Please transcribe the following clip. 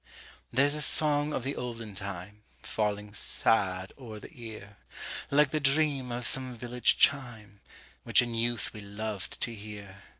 There's a song of the olden time, Falling sad o'er the ear, Like the dream of some village chime, Which in youth we loved to hear.